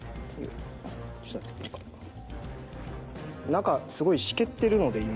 中すごいしけってるので今。